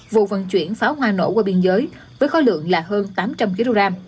vụ vận chuyển pháo hoa nổ qua biên giới với khối lượng là hơn tám trăm linh kg